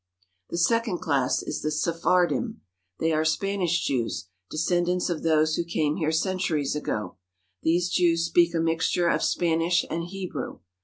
The second class is the Sephardim. They are Spanish Jews, descendants of those who came here centuries ago. These Jews speak a mixture of Spanish and Hebrew.